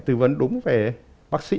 tư vấn đúng về bác sĩ